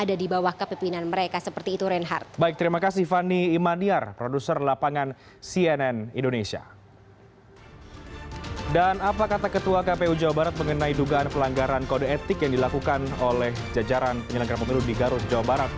dan juga bagi anggota yang ada di bawah kepimpinan mereka seperti itu reinhardt